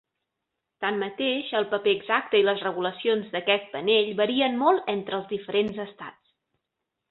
Tanmateix, el paper exacte i las regulacions d'aquest panell varien molt entre els diferents estats.